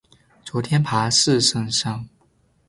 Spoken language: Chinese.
昨天爬四圣山